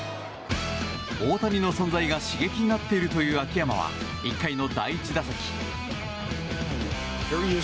大谷の存在が刺激になっているという秋山は１回の第１打席。